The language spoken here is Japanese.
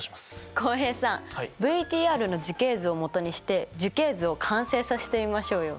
浩平さんＶＴＲの樹形図を基にして樹形図を完成させてみましょうよ。